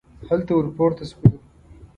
هلته ور پورته شولو.